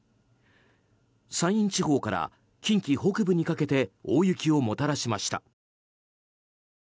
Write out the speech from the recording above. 山陰地方から近畿北部にかけて大雪をもたらしました。